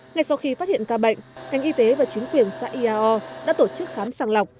ngay sau khi phát hiện ca bệnh ngành y tế và chính quyền xã iao đã tổ chức khám sàng lọc